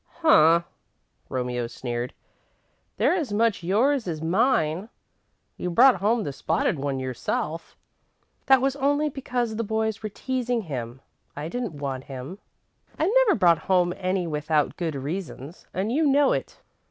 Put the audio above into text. "Huh!" Romeo sneered, "they're as much yours as mine. You brought home the spotted one yourself." "That was only because the boys were teasing him. I didn't want him." "I've never brought home any without good reasons, and you know it.